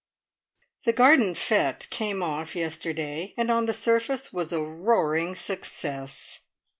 The garden fete came off yesterday, and on the surface was a roaring success.